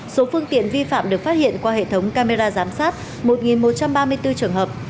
số phương tiện vi phạm được phát hiện qua hệ thống camera giám sát một một trăm ba mươi bốn trường hợp